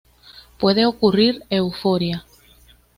Puede ocurrir euforia.